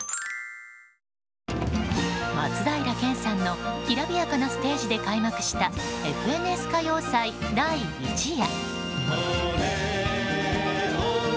松平健さんのきらびやかなステージで開催した「ＦＮＳ歌謡祭」第１夜。